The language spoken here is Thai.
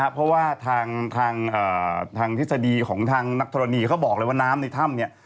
เพราะว่าทางทฤษฎีของทางนักธรณีเขาบอกเลยว่าน้ำในถ้ำเนี่ย